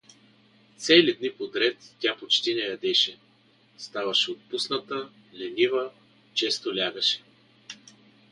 Цели дни подред тя почти не ядеше, ставаше отпусната, ленива, често лягаше.